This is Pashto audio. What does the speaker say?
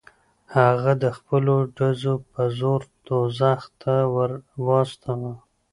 هغه د خپلو ډزو په زور دوزخ ته ور واستاوه.